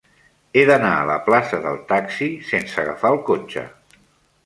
He d'anar a la plaça del Taxi sense agafar el cotxe.